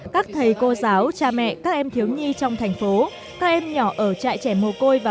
các thầy cô giáo cha mẹ các em thiếu nhi trong thành phố các em nhỏ ở trại trẻ mồ côi và